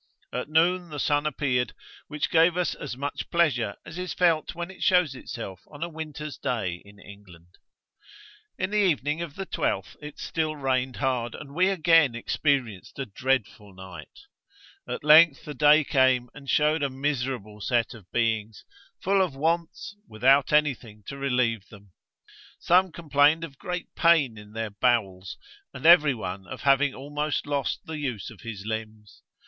At noon the sun appeared, which gave us as much pleasure as is felt when it shows itself on a winter's day in England. 'In the evening of the 12th it still rained hard, and we again experienced a dreadful night. At length the day came, and showed a miserable set of beings, full of wants, without any thing to relieve them. Some complained of great pain in their bowels, and every one of having almost lost the use of his limbs.